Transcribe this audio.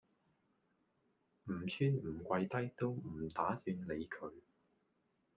唔穿唔跪低都唔打算理佢